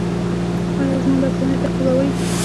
ایا زما لارښوونې تعقیبوئ؟